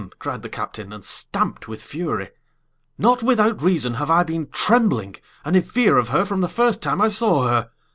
cried the captain, and stamped with fury. "Not without reason have I been trembling and in fear of her from the first time I saw her!